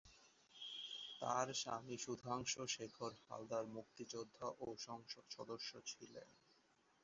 তার স্বামী সুধাংশু শেখর হালদার মুক্তিযোদ্ধা ও সংসদ সদস্য ছিলেন।